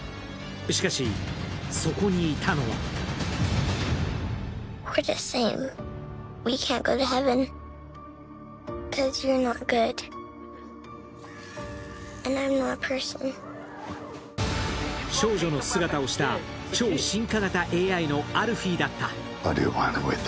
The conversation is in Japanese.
しかし、そこにいたのは少女の姿をした超進化型ＡＩのアルフィーだった。